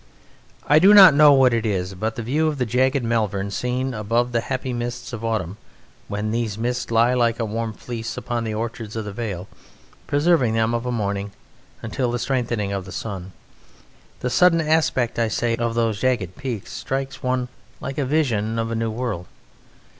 I do not know what it is, but the view of the jagged Malvern seen above the happy mists of autumn, when these mists lie like a warm fleece upon the orchards of the vale, preserving them of a morning until the strengthening of the sun, the sudden aspect, I say, of those jagged peaks strikes one like a vision of a new world.